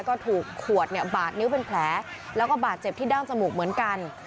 ก็ถูกขวดเนี่ยบาดนิ้วเป็นแผลแล้วก็บาดเจ็บที่ดั้งจมูกเหมือนกัน